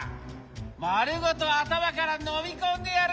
まるごとあたまからのみこんでやる！